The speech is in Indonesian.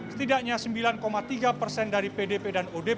setidaknya sembilan tiga persen dari pdp dan odp